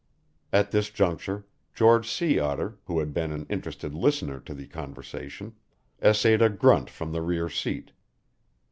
At this juncture George Sea Otter, who had been an interested listener to the conversation, essayed a grunt from the rear seat.